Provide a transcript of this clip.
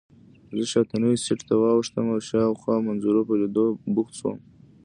زه شاتني سېټ ته واوښتم او د شاوخوا منظرو په لیدو بوخت شوم.